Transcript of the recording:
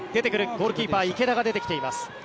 ゴールキーパー、池田が出てきています。